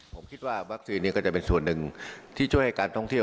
ผมคิดว่าวัคซีนนี้ก็จะเป็นส่วนหนึ่งที่ช่วยให้การท่องเที่ยว